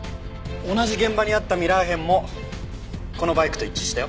同じ現場にあったミラー片もこのバイクと一致したよ。